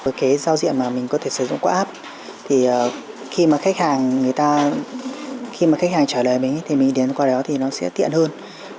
với cái giao diện mà mình có thể sử dụng qua app thì khi mà khách hàng trả lời mình thì mình đi đến qua đó thì nó sẽ tiện hơn